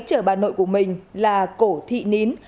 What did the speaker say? chở bà nội của mình là cổ thị nín